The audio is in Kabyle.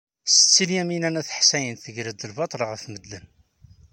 Setti Lyamina n At Ḥsayen tger-d lbaṭel ɣef medden.